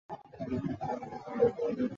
中华民国外交官。